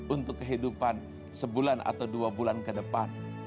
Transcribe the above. untuk kehidupan sebulan atau dua bulan ke depan